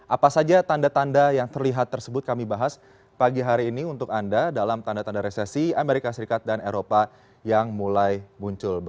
apa saja tanda tanda yang terlihat tersebut kami bahas pagi hari ini untuk anda dalam tanda tanda resesi amerika serikat dan eropa yang mulai muncul